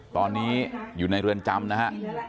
ตอนนี้อยู่ในเรือนจำนะฮะ